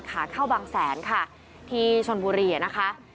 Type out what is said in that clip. ขาเข้าบางแสนค่ะที่ชนบุรีนะคะ